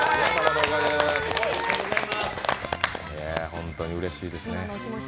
本当にうれしいですね。